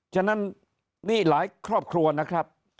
ฉะนั้นนี่หลายครอบครัวนะครับ